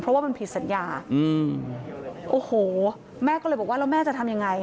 เพราะว่ามันผิดสัญญาอืมโอ้โหแม่ก็เลยบอกว่าแล้วแม่จะทำยังไง